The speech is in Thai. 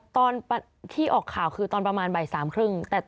ตอนที่ออกข่าวคือตอนประมาณบ่ายสามครึ่ง